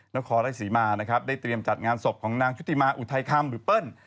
นครราชศรีมานะครับได้เตรียมจัดงานศพของนางชุติมาอุทัยคำหรือเปิ้ล